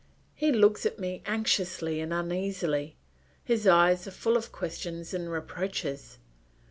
He looks at me anxiously and uneasily; his eyes are full of questions and reproaches.